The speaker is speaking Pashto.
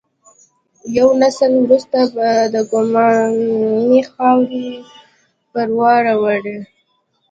یو نسل وروسته به د ګمنامۍ خاورې پر واوړي.